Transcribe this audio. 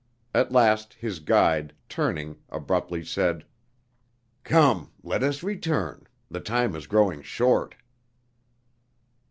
At last his guide, turning, abruptly said: "Come, let us return; the time is growing short!"